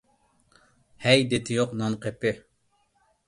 ھەي، دىتى يوق نانقېپى!